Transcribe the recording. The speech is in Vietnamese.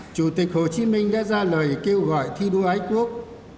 chủ tịch hồ chí minh đã ra lời kêu gọi thi đua ái quốc